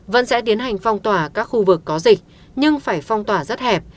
vẫn sẽ tiến hành phong tỏa các khu vực có dịch nhưng phải phong tỏa rất hẹp